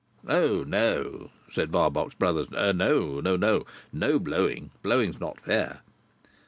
"O no!" said Barbox Brothers. "No, no, no. No blowing. Blowing's not fair."